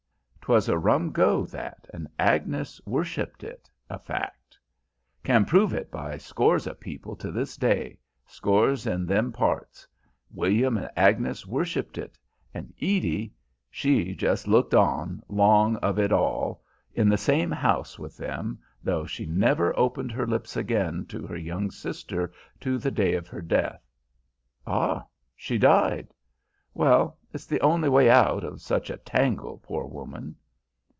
'Twas a rum go, that, and Agnes worshipped it, a fact, can prove it by scores o' people to this day, scores, in them parts. William and Agnes worshipped it, and Edie she just looked on, long of it all, in the same house with them, though she never opened her lips again to her young sister to the day of her death." "Ah, she died? Well, it's the only way out of such a tangle, poor woman."